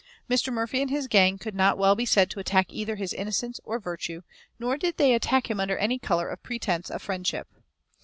Mr. Murphy and his gang could not well be said to attack either his innocence or virtue; nor did they attack him under any colour or pretence of friendship.